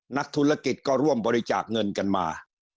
นักธุรกิจก็ร่วมบริจาคเงินกันมา